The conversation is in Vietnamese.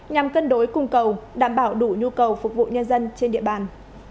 nhằm cân đối cung cầu đảm bảo đủ nhu cầu phục vụ nhân dân trên địa bàn